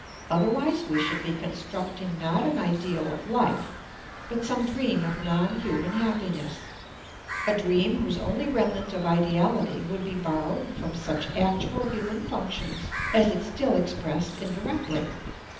Otherwise we should be constructing not an ideal of life but some dream of non human happiness, a dream whose only remnant of ideality would be borrowed from such actual human functions as it still expressed indirectly.